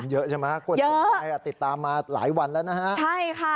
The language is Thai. เยอะใช่มั้ยคนไทยติดตามมาหลายวันแล้วนะฮะ